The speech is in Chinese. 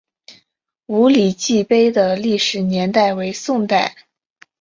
五礼记碑的历史年代为宋代。